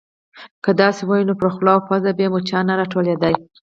_که داسې وای، نو پر خوله او پزه به يې مچان نه راټولېدای.